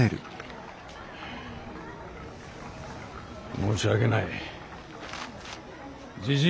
申し訳ない。